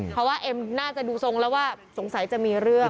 เพราะว่าเอ็มน่าจะดูทรงแล้วว่าสงสัยจะมีเรื่อง